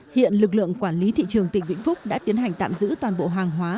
hiện lực lượng quản lý thị trường tỉnh vĩnh phúc đã tiến hành tạm giữ toàn bộ hàng hóa